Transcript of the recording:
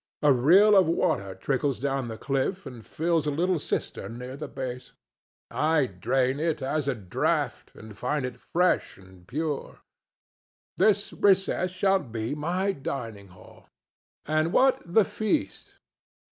A rill of water trickles down the cliff and fills a little cistern near the base. I drain it at a draught, and find it fresh and pure. This recess shall be my dining hall. And what the feast?